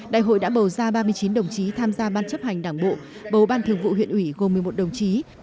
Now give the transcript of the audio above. đại hội đã bầu ra ba mươi chín đồng chí tham gia ban chấp hành đảng bộ bầu ban thường vụ huyện ủy gồm một mươi một đồng chí